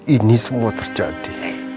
ini semua terjadi